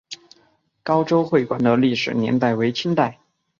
高州会馆的历史年代为清代。